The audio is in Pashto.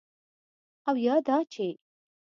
او یا دا چې: